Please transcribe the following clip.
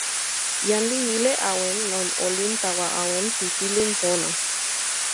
jan li wile awen lon olin tawa awen pi pilin pona.